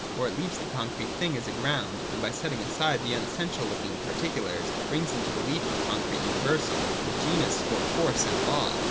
Or it leaves the concrete thing as a ground, and by setting aside the unessential looking particulars, brings into relief a concrete universal, the Genus, or Force and Law.